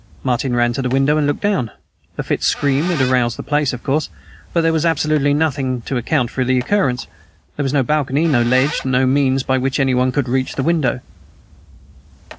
"Martin ran to the window and looked down. Lafitte's scream had aroused the place, of course. But there was absolutely nothing to account for the occurrence. There was no balcony, no ledge, by means of which anyone could reach the window."